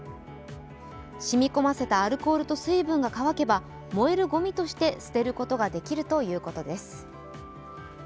染み込ませたアルコールと水分が乾けば燃えるごみとして捨てることができるということです。